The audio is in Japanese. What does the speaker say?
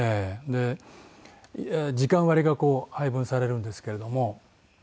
で時間割がこう配分されるんですけれども。